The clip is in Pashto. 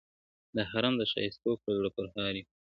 د حرم د ښایستو پر زړه پرهار وو؛